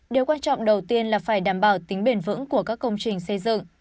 điều quan trọng đầu tiên là phải đảm bảo tính bền vững của các công trình xây dựng